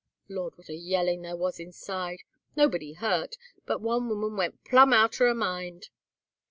Lord! what a yellin' there was inside! Nobody hurt, but one woman went plumb out'r her mind.